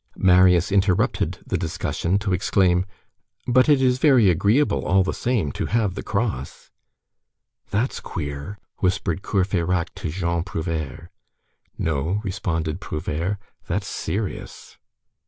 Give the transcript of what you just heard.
Marius interrupted the discussion to exclaim: "But it is very agreeable, all the same to have the cross!" "That's queer!" whispered Courfeyrac to Jean Prouvaire. "No," responded Prouvaire, "that's serious."